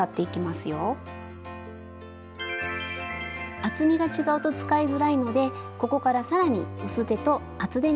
スタジオ厚みが違うと使いづらいのでここから更に薄手と厚手に分けます。